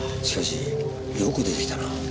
しかしよく出てきたな。